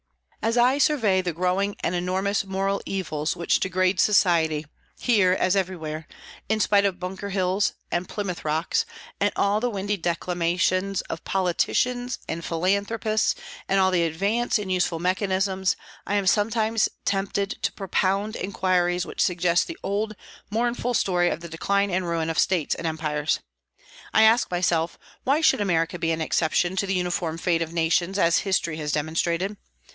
As I survey the growing and enormous moral evils which degrade society, here as everywhere, in spite of Bunker Hills and Plymouth Rocks, and all the windy declamations of politicians and philanthropists, and all the advance in useful mechanisms, I am sometimes tempted to propound inquiries which suggest the old, mournful story of the decline and ruin of States and Empires. I ask myself, Why should America be an exception to the uniform fate of nations, as history has demonstrated?